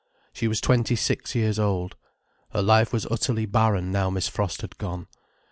She was twenty six years old. Her life was utterly barren now Miss Frost had gone.